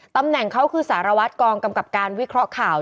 ตำแหน่งเขาคือสารวัตรกองกำกับการวิเคราะห์ข่าว